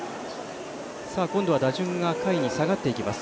今度は打順が下位に下がっていきます。